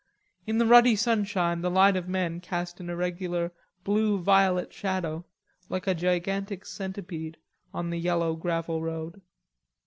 In the ruddy sunshine the line of men cast an irregular blue violet shadow, like a gigantic centipede, on the yellow gravel road.